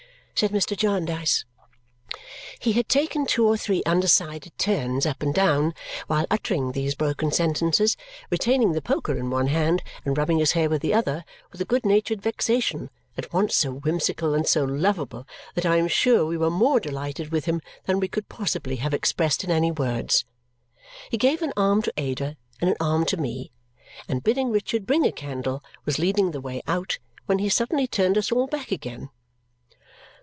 said Mr. Jarndyce. He had taken two or three undecided turns up and down while uttering these broken sentences, retaining the poker in one hand and rubbing his hair with the other, with a good natured vexation at once so whimsical and so lovable that I am sure we were more delighted with him than we could possibly have expressed in any words. He gave an arm to Ada and an arm to me, and bidding Richard bring a candle, was leading the way out when he suddenly turned us all back again.